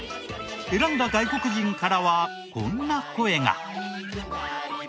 選んだ外国人からはこんな声が。